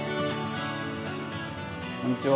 こんにちは。